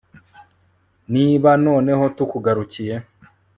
niba noneho tukugarukiye